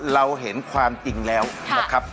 เราเห็นความจริงแล้วนะครับ